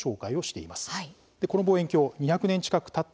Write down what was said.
この望遠鏡２００年近くたった